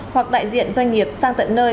hoặc đại diện doanh nghiệp sang tận nơi